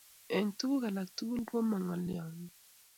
Eng tuguk alak tugul, koma ngolyongung